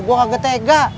gue kagak tega